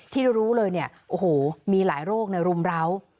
ที่เรารู้เลยเนี่ยโอ้โหมีหลายโรคในรุมร้าว